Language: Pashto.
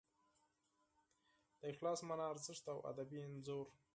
د اخلاص مانا، ارزښت او ادبي انځور